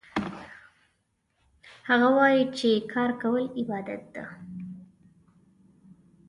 هغه وایي چې کار کول عبادت ده